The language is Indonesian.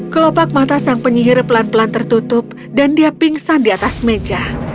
kelopak mata sang penyihir pelan pelan tertutup dan dia pingsan di atas meja